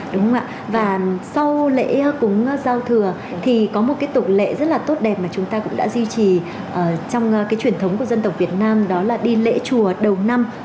đúng không ạ và sau lễ cúng giao thừa thì có một cái tục lệ rất là tốt đẹp mà chúng ta cũng đã duy trì trong cái truyền thống của dân tộc việt nam đó là đi lễ chùa đầu năm